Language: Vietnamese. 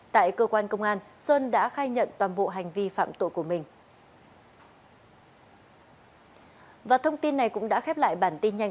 tại cơ quan công an sơn đã khai nhận toàn bộ hành vi phạm tội của mình